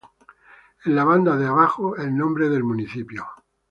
En la banda de abajo el nombre del municipio.